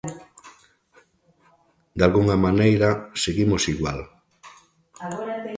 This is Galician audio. Dalgunha maneira seguimos igual.